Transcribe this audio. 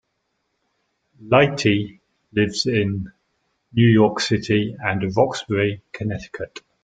Leite lives in New York City and Roxbury, Connecticut.